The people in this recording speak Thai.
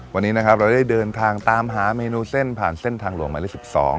วันนี้นะครับเราได้เดินทางตามหาเมนูเส้นผ่านเส้นทางหลวงหมายเลข๑๒